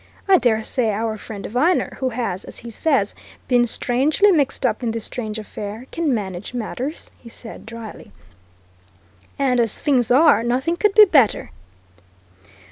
"I dare say our friend Viner, who has, as he says, been strangely mixed up in this strange affair, can manage matters," he said dryly. "And as things are, nothing could be better!"